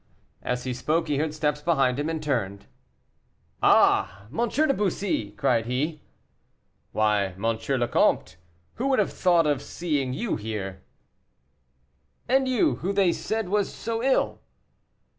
As he spoke he heard steps behind him, and turned. "Ah, M. de Bussy!" he cried. "Why, M. le Comte, who would have thought of seeing you here!" "And you, who they said was so ill."